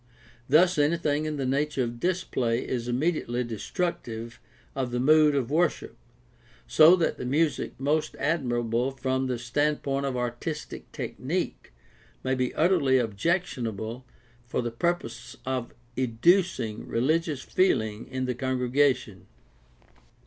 Thus anything in the nature of display is immediately destructive of the mood of worship, so that the music most admirable from the standpoint of artistic tech nique may be utterly objectionable for the purpose of educing religious feeling in the congregation.